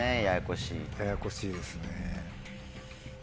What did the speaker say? ややこしいですね。